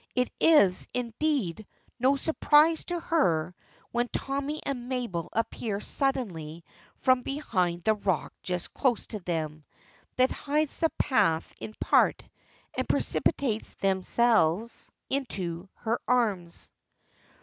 It is, indeed, no surprise to her when Tommy and Mabel appear suddenly from behind the rock just close to them, that hides the path in part, and precipitates themselves into her arms.